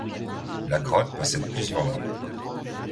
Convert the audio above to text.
La grotte possède plusieurs noms.